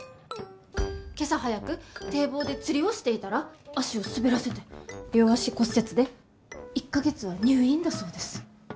今朝早く堤防で釣りをしていたら足を滑らせて両足骨折で１か月は入院だそうです。